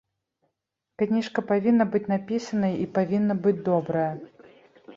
Кніжка павінна быць напісана і павінна быць добрая.